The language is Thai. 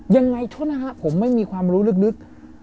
ยังไงโทษนะฮะผมไม่มีความรู้ลึก